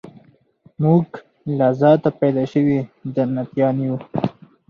موږ له ذاته پیدا سوي جنتیان یو